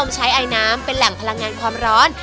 ใช้ไอน้ำเป็นแหล่งพลังงานความร้อน